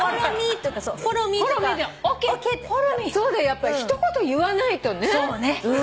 やっぱり一言言わないとね。